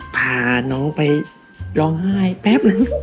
พาน้องไปร้องไห้แป๊บนึง